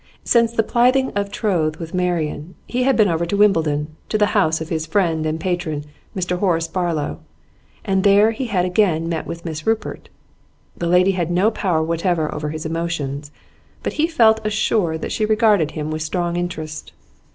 Since the plighting of troth with Marian he had been over to Wimbledon, to the house of his friend and patron Mr Horace Barlow, and there he had again met with Miss Rupert. This lady had no power whatever over his emotions, but he felt assured that she regarded him with strong interest.